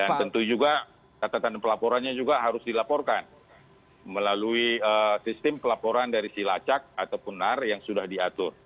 dan tentu juga kata kata pelaporannya juga harus dilaporkan melalui sistem pelaporan dari silacak ataupun nar yang sudah diatur